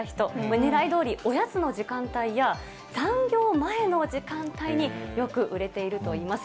ねらいどおり、おやつの時間帯や、残業前の時間帯によく売れているといいます。